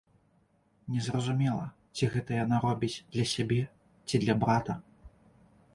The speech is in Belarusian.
Незразумела, ці гэта яна робіць для сябе, ці для брата.